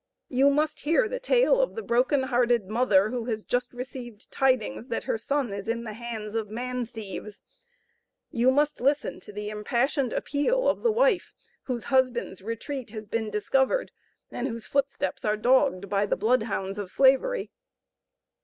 You must hear the tale of the broken hearted mother, who has just received tidings that her son is in the hands of man thieves. You must listen to the impassioned appeal of the wife, whose husband's retreat has been discovered, and whose footsteps are dogged by the blood hounds of Slavery.